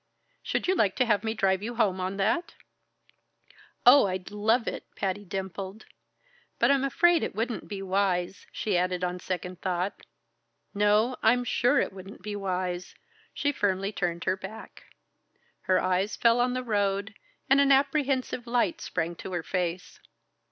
"Should you like to have me drive you home on that?" "Oh, I'd love it!" Patty dimpled. "But I'm afraid it wouldn't be wise," she added on second thought. "No, I am sure it wouldn't be wise," she firmly turned her back. Her eyes fell on the road, and an apprehensive light sprang to her face.